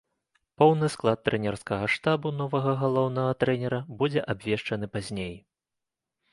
Поўны склад трэнерскага штабу новага галоўнага трэнера будзе абвешчаны пазней.